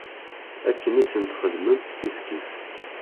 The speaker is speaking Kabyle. Akken i sent-txedmemt kifkif.